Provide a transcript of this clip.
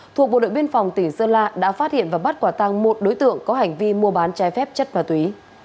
thuộc bộ đội biên phòng tỉnh sơn la đã phát hiện và bắt quả tăng một đối tượng có hành vi mua bán trái phép chất ma túy